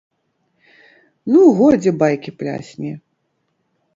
Ну, годзе байкі плясні.